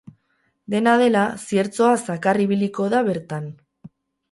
Dena dela, ziertzoa zakar ibiliko da bertan.